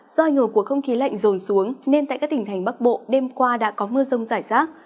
do ảnh hưởng của không khí lạnh rồn xuống nên tại các tỉnh thành bắc bộ đêm qua đã có mưa rông rải rác